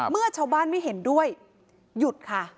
เมื่อชาวบ้านไม่เห็นด้วยหยุดค่ะ